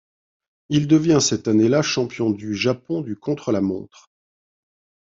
Il devient cette année-là champion du Japon du contre-la-montre.